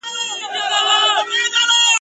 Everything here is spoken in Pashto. پر راتللو د زمري کورته پښېمان سو !.